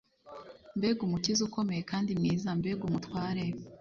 Mbega umukiza ukomeye kandi mwiza mbega umutware